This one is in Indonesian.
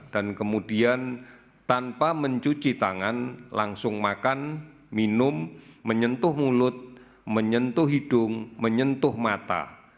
dan kemudian tanpa mencuci tangan langsung makan minum menyentuh mulut menyentuh hidung menyentuh mata